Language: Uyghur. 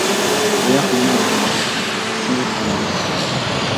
بۇياق مېنىڭ قىز دوستۇم، ئىسمى ئانارگۈل.